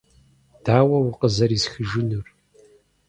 - Дауэ укъызэрисхыжынур?